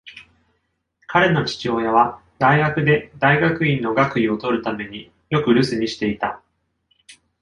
彼の父親は大学で大学院の学位を取るためによく留守にしていた。